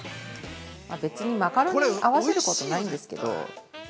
別にマカロニに合わせることないんですけど。